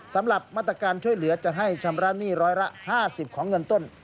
สำหรับมาตรการช่วยเหลือจะให้ชำระหนี้ร้อยละ๕๐ของเงินต้น